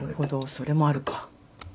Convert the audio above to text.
それもあるか。